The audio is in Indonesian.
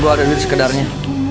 gue ada duit sekedarnya